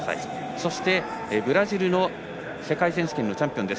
そしてブラジルの世界選手権チャンピオンです。